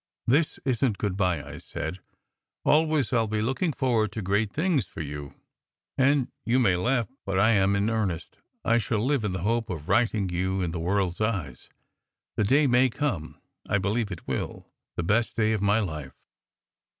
"This isn t good bye, " I said. "Always I ll be looking forward to great things for you. And (you may laugh, but I m in earnest) I shall live in the hope of righting you in the world s eyes. The day may come. I believe it will the best day of my life."